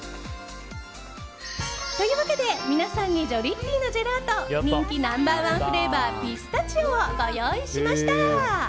というわけで、皆さんにＧｉｏｌｉｔｔｉのジェラート人気ナンバー１フレーバーピスタチオをご用意しました。